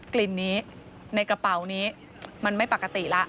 กลิ่นนี้ในกระเป๋านี้มันไม่ปกติแล้ว